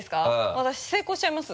私成功しちゃいます